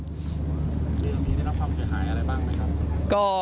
หรือมีแนะนำความเสียหายอะไรบ้างนะครับ